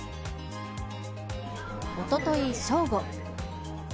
おととい正午。